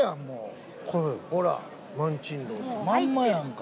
まんまやんか。